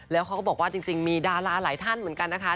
แล้วเขาก็บอกว่าจริงมีดาราหลายท่านเหมือนกันนะคะ